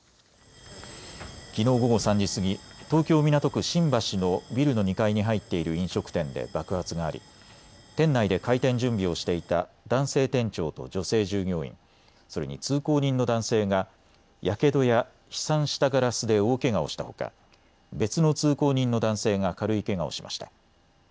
きのう午後３時過ぎ東京港区新橋のビルの２階に入っている飲食店で爆発があり店内で開店準備をしていた男性店長と女性従業員、それに通行人の男性がやけどや飛散したガラスで大けがをしたほか、別の通行人の男性が軽いけがをしました。